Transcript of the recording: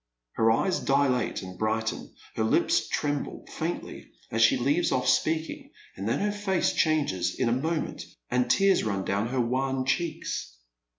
Her eyes dilate and brighten, her lips tremble faintly as she leaves off speaking, and then her face changes in a moment, and tears run down her wan cheeks.